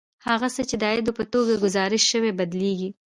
هغه څه چې د عاید په توګه ګزارش شوي بدلېږي